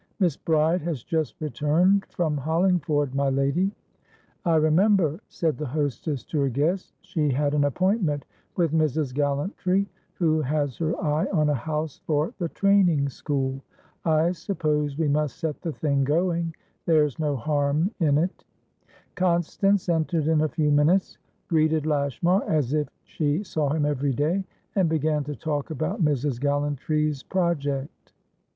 "Miss Bride has just returned from Hollingford, my lady." "I remember," said the hostess to her guest. "She had an appointment with Mrs. Gallantry, who has her eye on a house for the training school. I suppose we must set the thing going; there's no harm in it." Constance entered in a few minutes, greeted Lashmar as if she saw him every day, and began to talk about Mrs. Gallantry's project.